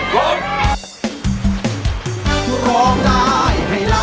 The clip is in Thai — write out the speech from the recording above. คุณหนุย